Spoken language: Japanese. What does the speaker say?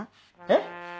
えっ？